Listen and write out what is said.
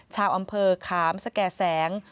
ชาวอำเภอขามสแก่แสง